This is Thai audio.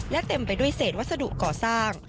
และเต็มไปด้วยเศษวัสดุก่อสร้าง